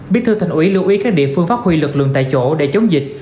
bí thư thành ủy lưu ý các địa phương phát huy lực lượng tại chỗ để chống dịch